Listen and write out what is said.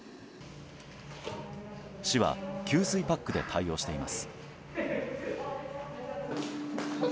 市は給水パックで対応しています。